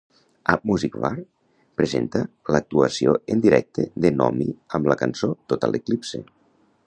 A Music War presenta l'actuació en directe de Nomi amb la cançó "Total Eclipse".